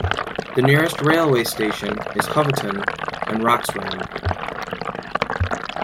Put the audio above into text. The nearest railway station is 'Hoveton and Wroxham'.